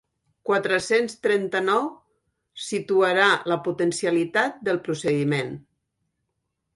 Quatre-cents trenta-nou situarà la «potencialitat» del procediment.